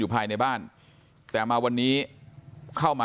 คือป้าไปดูครั้งแรกคิดว่าเขาเมาคือป้าไปดูครั้งแรกคิดว่าเขาเมา